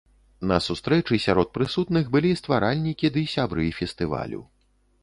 На сустрэчы сярод прысутных былі стваральнікі ды сябры фестывалю.